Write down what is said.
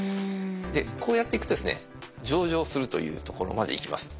こうやっていくとですね上場するというところまでいきます。